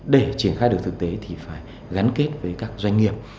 để triển khai được thực tế thì phải gắn kết với các doanh nghiệp